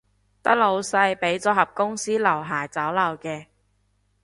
得老細畀咗盒公司樓下酒樓嘅